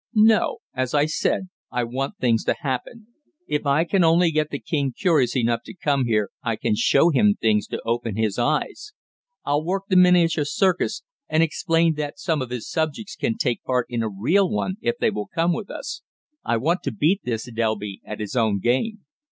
"No. As I said, I want things to happen. If I can only get the king curious enough to come here I can show him things to open his eyes. I'll work the miniature circus, and explain that some of his subjects can take part in a real one if they will come with us. I want to beat this Delby at his own game."